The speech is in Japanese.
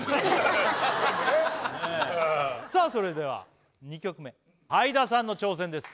それでは２曲目はいださんの挑戦です